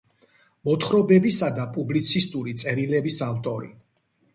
მოთხრობებისა და პუბლიცისტური წერილების ავტორი.